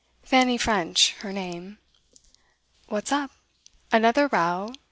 Fanny French, her name. 'What's up? Another row?